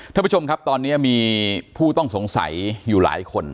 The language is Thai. ท่านผู้ชมครับตอนนี้มีผู้ต้องสงสัยอยู่หลายคน